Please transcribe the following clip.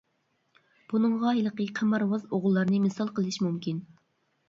بۇنىڭغا ھېلىقى قىمارۋاز ئوغۇللارنى مىسال قىلىش مۇمكىن.